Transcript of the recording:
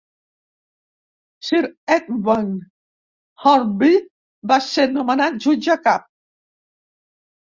Sir Edmund Hornby va ser nomenat jutge cap.